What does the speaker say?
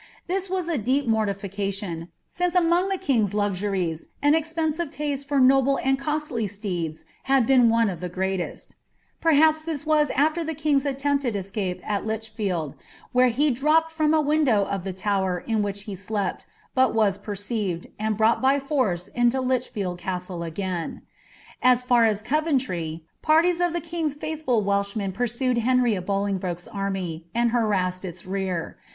This was a deep moriificatton, since among the king's lumiues an expensive la>tc fitr noble and rosily steeds had been one of the greolcsL Perhaps thi* vna nftcr the king's attempted escape ai Lichfield, where be dropped from a window of the tower in which he slept, but was perceived, and brouelit by force into Lichfield Cbstle again. As far as Coventry, parties of the king's faithful Welshmen pursued Henry of Bolingbroke's army, sni) harassed its rear.